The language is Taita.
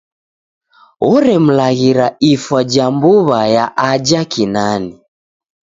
Oremlaghira ifwa ja mbu'wa ya aja Kinani.